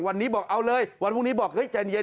วันนี้บอกเอาเลยวันพรุ่งนี้บอกเฮ้ยใจเย็น